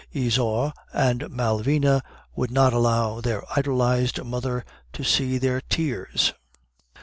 Isaure and Malvina would not allow their idolized mother to see their tears.